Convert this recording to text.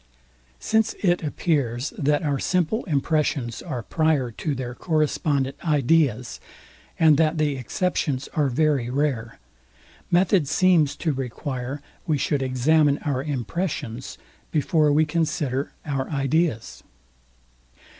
Since it appears, that our simple impressions are prior to their correspondent ideas, and that the exceptions are very rare, method seems to require we should examine our impressions, before we consider our ideas.